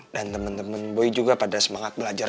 dan temen temen boy juga pada semangat belajar